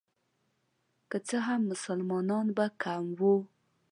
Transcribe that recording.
که څه هم مسلمانان به کم وو.